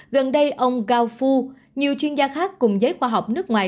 gần đây ông gao fu nhiều chuyên gia khác cùng giới khoa học nước ngoài